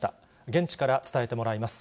現地から伝えてもらいます。